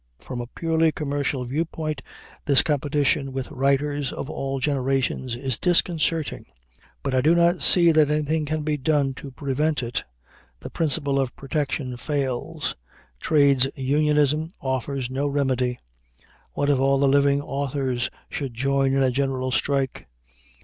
From a purely commercial viewpoint, this competition with writers of all generations is disconcerting. But I do not see that anything can be done to prevent it. The principle of protection fails. Trades unionism offers no remedy. What if all the living authors should join in a general strike!